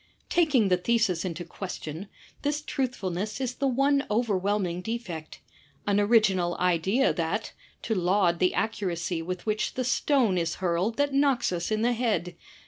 Taking the thesis into question, this truthfulness is the one overwhelming defect. An original idea that — to laud the accuracy with which the stone is hurled that knocks us in the head!